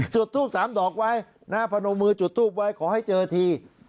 จุดทูปสาวต่อไวนะพเนมือจุดทูปไว้ขอให้เจอที